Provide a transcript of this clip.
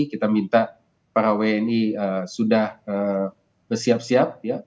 kita minta para wni sudah bersiap siap